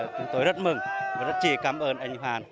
chúng tôi rất mừng và rất chỉ cảm ơn anh hoàn